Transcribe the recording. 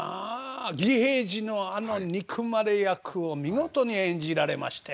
義平次のあの憎まれ役を見事に演じられまして。